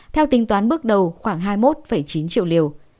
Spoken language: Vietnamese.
theo tính toán bước đầu khoảng hai mươi một chín triệu liều